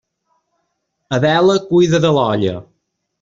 Adela cuida de l'olla.